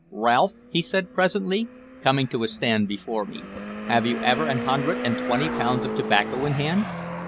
"Ralph," he said presently, coming to a stand before me, "have you ever an hundred and twenty pounds of tobacco in hand?